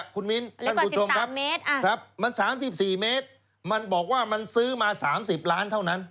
คุณมิ้นท่านผู้ชมครับมัน๓๔เมตรมันบอกว่ามันซื้อมา๓๐ล้านเท่านั้น